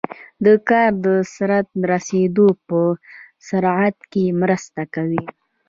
د کار د سرته رسیدو په سرعت کې مرسته کوي.